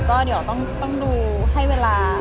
ก็ต้องดูให้เวลา